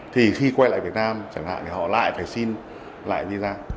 thì khi quay lại việt nam chẳng hạn thì họ lại phải xin lại visa